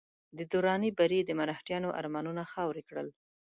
د دراني بري د مرهټیانو ارمانونه خاورې کړل.